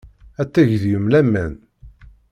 Ad teg deg-m laman.